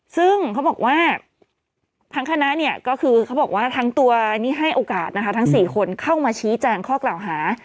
ซึ่งเขาบอกว่าทั้งคณะก็คือทั้งตัวให้โอกาส้ี่คนเข้ามาชี้แจกข้อเก่าหา